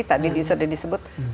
tadi sudah disebut